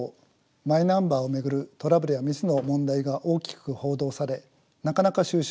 マイナンバーを巡るトラブルやミスの問題が大きく報道されなかなか収拾しません。